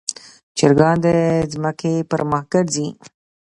چرګان د ځمکې پر مخ ګرځي.